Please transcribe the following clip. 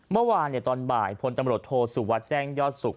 เมื่อวานตอนบ่ายพลตำรวจโทษสุวัสดิ์แจ้งยอดสุข